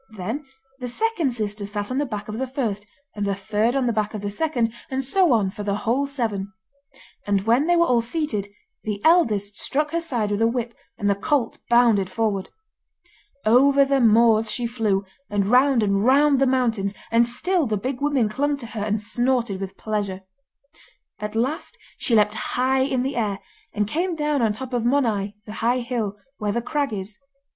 Then the second sister sat on the back of the first, and the third on the back of the second, and so on for the whole seven. And when they were all seated, the eldest struck her side with a whip and the colt bounded forward. Over the moors she flew, and round and round the mountains, and still the Big Women clung to her and snorted with pleasure. At last she leapt high in the air, and came down on top of Monadh the high hill, where the crag is.